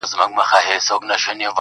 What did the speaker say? o خدایه نور یې د ژوندو له کتار باسه.